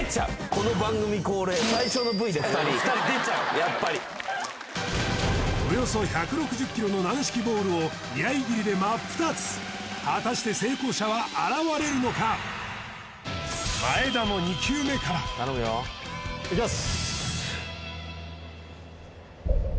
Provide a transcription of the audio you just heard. やっぱりおよそ１６０キロの軟式ボールを居合斬りで真っ二つ果たして成功者は現れるのか前田の２球目からいきます